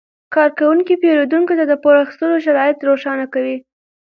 کارکوونکي پیرودونکو ته د پور اخیستلو شرایط روښانه کوي.